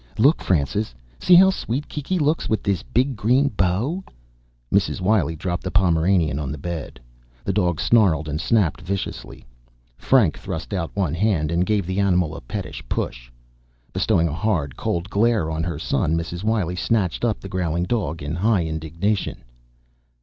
"Look, Francis! See how sweet Kiki looks with this big green bow!" Mrs. Wiley dropped the Pomeranian on the bed. The dog snarled and snapped viciously. Frank thrust out one hand and gave the animal a pettish push. Bestowing a hard, cold glare on her son, Mrs. Wiley snatched up the growling dog in high indignation.